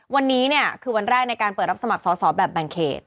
วันนี้เนี่ยคือวันแรกในการเปิดรับสมัครสอบแบบแบ่งเขต